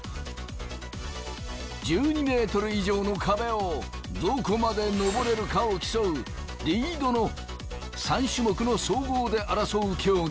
１２メートル以上の壁をどこまで登れるかを競うリードの３種目の総合で争う競技。